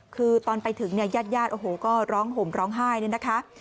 คือตอนไปถึงแย่ตุโอ้โหก็ร้องห่มร้องไห้เลยนะคะ